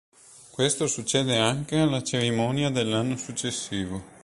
Questo succede anche alla cerimonia dell'anno successivo.